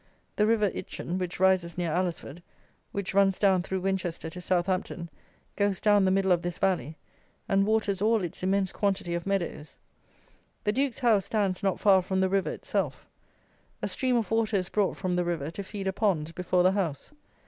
The river Itchen, which rises near Alresford, which runs down through Winchester to Southampton, goes down the middle of this valley, and waters all its immense quantity of meadows. The Duke's house stands not far from the river itself. A stream of water is brought from the river to feed a pond before the house.